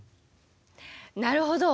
なるほど。